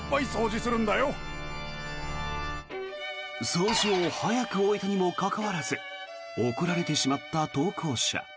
掃除を早く終えたにもかかわらず怒られてしまった投稿者。